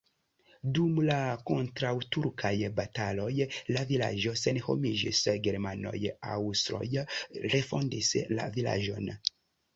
Dum la kontraŭturkaj bataloj la vilaĝo senhomiĝis, germanoj-aŭstroj refondis la vilaĝon.